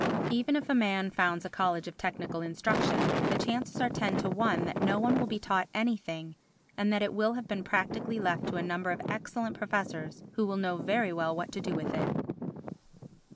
Even if a man founds a College of Technical Instruction, the chances are ten to one that no one will be taught anything and that it will have been practically left to a number of excellent professors who will know very well what to do with it.